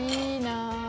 いいなぁ。